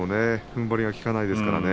ふんばりが効かないですからね。